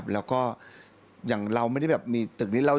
แล้วก็อย่างเราไม่ได้แบบมีตึกนี้